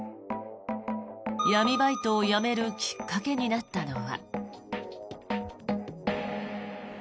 闇バイトを辞めるきっかけになったのは。